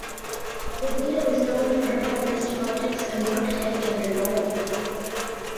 Robledo is known for her feminist politics and work to end gender violence.